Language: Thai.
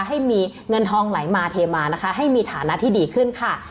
ให้มีเงินทองไหลมาเทมานะคะให้มีฐานะที่ดีขึ้นค่ะ